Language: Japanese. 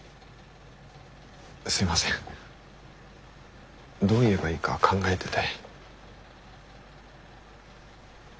すいませんどう言えばいいか考えてて。